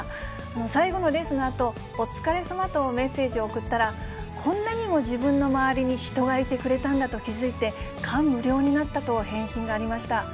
もう最後のレースのあと、お疲れさまとメッセージを送ったら、こんなにも自分の周りに人がいてくれたんだと気付いて、感無量になったと返信がありました。